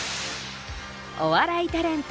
お笑いタレント